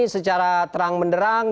secara terang menderang